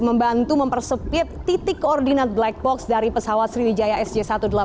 membantu mempersepit titik koordinat black box dari pesawat sriwijaya sj satu ratus delapan puluh